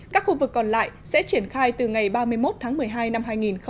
các khu vực còn lại sẽ triển khai từ ngày ba mươi một tháng một mươi hai năm hai nghìn hai mươi